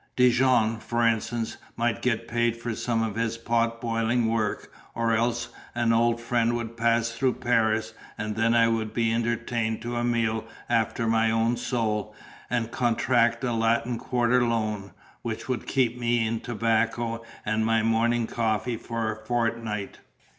Dijon (for instance) might get paid for some of his pot boiling work, or else an old friend would pass through Paris; and then I would be entertained to a meal after my own soul, and contract a Latin Quarter loan, which would keep me in tobacco and my morning coffee for a fortnight.